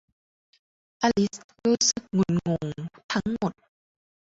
อลิซรู้สึกงุนงงทั้งหมด